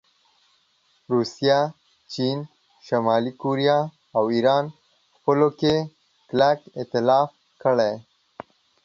روسیې، چین، شمالي کوریا او ایران خپلو کې کلک ایتلاف کړی